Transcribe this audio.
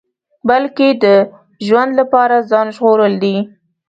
بلکې د ژوند لپاره ځان ژغورل دي.